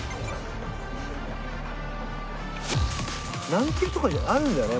何球とかってあるんだよね。